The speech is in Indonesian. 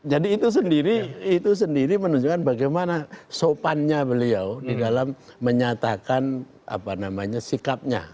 jadi itu sendiri menunjukkan bagaimana sopannya beliau di dalam menyatakan sikapnya